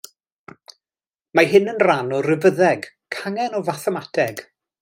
Mae hyn yn rhan o rifyddeg, cangen o fathemateg.